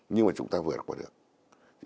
nhưng mà chúng ta vượt qua được